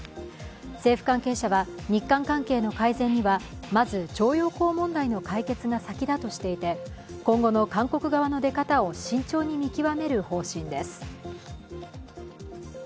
政府関係者は、日韓関係の改善にはまず徴用工問題の解決が先だとしていて、今後の韓国側の出方を慎重に見極める方針です。